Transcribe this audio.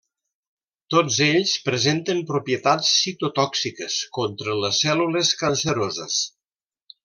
Tots ells presenten propietats citotòxiques contra les cèl·lules canceroses.